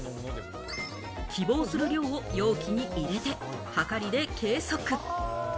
希望する量を容器に入れて、はかりで計測。